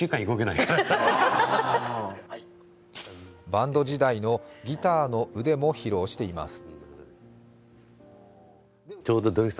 バンド時代のギターの腕も披露しています。